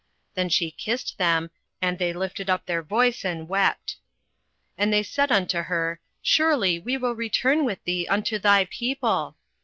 Then she kissed them; and they lifted up their voice, and wept. 08:001:010 And they said unto her, Surely we will return with thee unto thy people.